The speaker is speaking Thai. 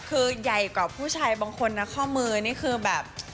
คือใหญ่กว่าผู้ชายบางคนนะข้อมือนี่คือแบบ